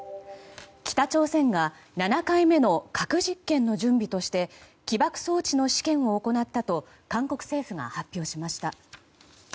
北朝鮮が７回目の核実験の準備として起爆装置の試験を行ったと韓国政府が発表しました。